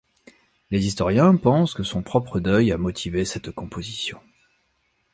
Les historiens pensent que son propre deuil a motivé cette composition.